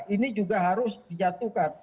ini juga harus dijatuhkan